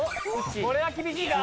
これは厳しいか？